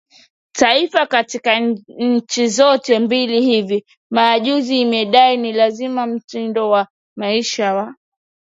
Taifa katika nchi zote mbili Hivi majuzi imedai ni lazima mtindo wa maisha wa